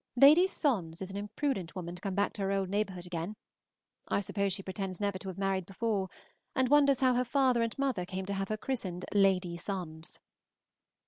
Lady Sondes is an impudent woman to come back into her old neighborhood again; I suppose she pretends never to have married before, and wonders how her father and mother came to have her christened Lady Sondes.